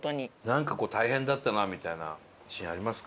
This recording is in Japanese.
なんか大変だったなみたいなシーンありますか？